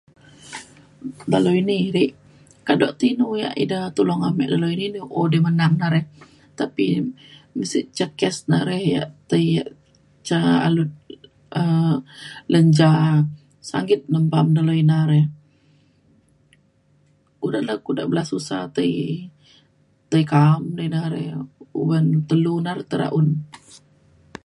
dalau ini re' kaduk te inu ya ida tulung amik dalau ini odai menang re tapi un sik ca kes na re ya tai ya ca alut um lenca sangkit mempam dalau ina re kudak le kudak belas usa tai tai ka'am ne ida re ukuk ban telu na re tai re un